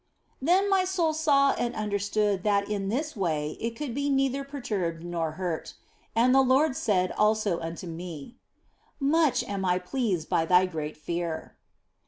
Then my soul saw and understood that in this way it could be neither perturbed nor hurt. And the Lord said also unto me, " Much am I pleased by thy great fear."